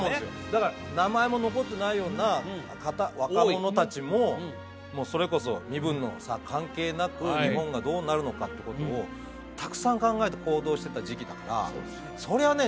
だから名前も残ってないような方若者達もそれこそ身分の差関係なく日本がどうなるのかってことをたくさん考えて行動してた時期だからそれはね